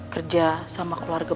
kerja sama keluarga